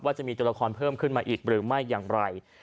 จะมีตัวละครเพิ่มขึ้นมาอีกหรือไม่อย่างไร